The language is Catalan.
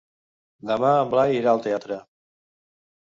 Demà en Blai irà al teatre.